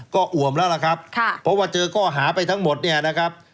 ก็อ่วมแล้วล่ะครับเพราะว่าเจอข้อหาไปทั้งหมดเนี่ยนะครับ